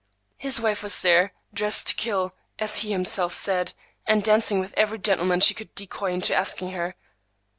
His wife was there, dressed "to kill," as he himself said, and dancing with every gentleman she could decoy into asking her.